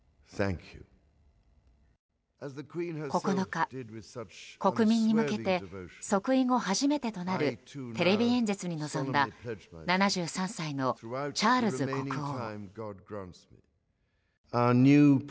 ９日、国民に向けて即位後初めてとなるテレビ演説に臨んだ７３歳のチャールズ国王。